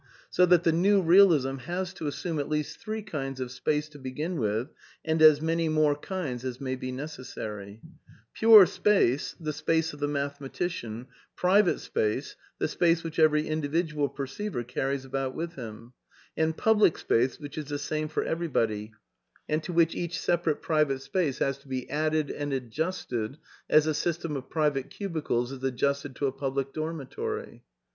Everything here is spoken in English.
So that the New Bealism has to assume at least three J^i nds of space to begin with, and as many more kinds as may be necessary: Pure space, the space of the mathematician ; private space , tEe^space which every individual perceiver carries^ about with him ; and public space which is the same for every body, and to whi^Teadh separate private space has to be THE NEW REALISM 169 added and adjusted as a system of private cubicles is ad justed to a public dormitory.